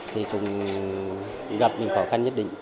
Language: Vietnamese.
thì cũng gặp những khó khăn nhất định